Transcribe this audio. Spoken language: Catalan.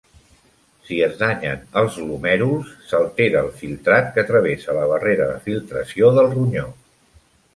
Si es danyen els glomèruls s'altera el filtrat que travessa la barrera de filtració del ronyó.